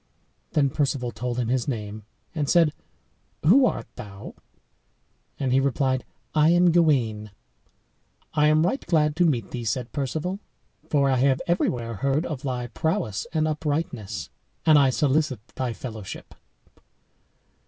"Then Perceval told him his name, and said, "Who art thou?" And he replied, "I am Gawain." "I am right glad to meet thee," said Perceval, "for I have everywhere heard of thy prowess and uprightness; and I solicit thy fellowship."